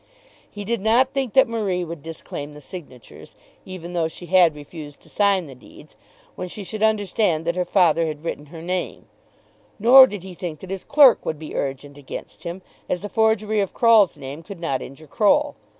He did not think that Marie would disclaim the signatures, even though she had refused to sign the deeds, when she should understand that her father had written her name; nor did he think that his clerk would be urgent against him, as the forgery of Croll's name could not injure Croll.